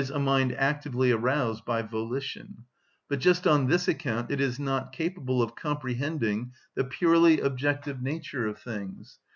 _, a mind actively aroused by volition; but just on this account it is not capable of comprehending the purely objective nature of things.